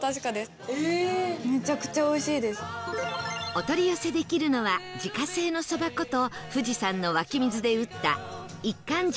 お取り寄せできるのは自家製のそば粉と富士山の湧き水で打った一閑人の生蕎麦